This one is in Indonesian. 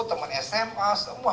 temen sma semua